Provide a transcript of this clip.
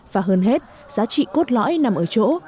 và hơn hết giá trị cốt lõi nằm ở chỗ